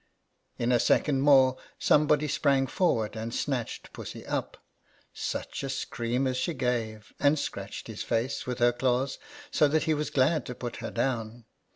In a second more, somebody sprang for ward and snatched Pussy up. Such a scream as she gave ! and scratched his face with her claws, so that he was glad to put her down.